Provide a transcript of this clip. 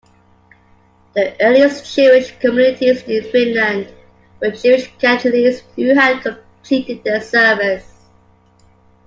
The earliest Jewish communities in Finland were Jewish cantonists who had completed their service.